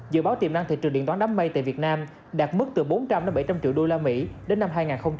dự báo tiềm năng thị trường điện toán đám mây tại việt nam đạt mức từ bốn trăm linh bảy trăm linh triệu usd đến năm hai nghìn hai mươi